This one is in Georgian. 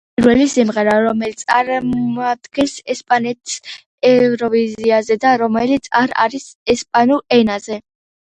ეს არის პირველი სიმღერა, რომელიც წარადგენს ესპანეთს ევროვიზიაზე და რომელიც არ არის ესპანურ ენაზე.